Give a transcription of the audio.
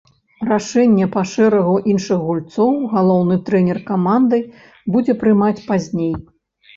Рашэнне па шэрагу іншых гульцоў галоўны трэнер каманды будзе прымаць пазней.